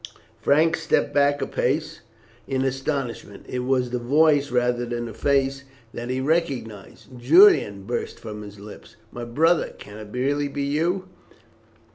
Frank stepped back a pace in astonishment. It was the voice rather than the face that he recognized. "Julian!" burst from his lips, "my brother, can it be really you?"